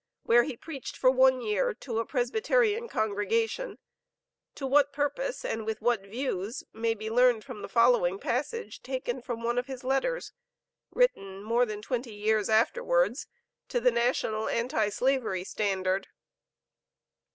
where he preached for one year, to a Presbyterian congregation, to what purpose, and with what views, may be learned from the following passage taken from one of his letters, written more than twenty years afterwards, to the National Anti Slavery Standard.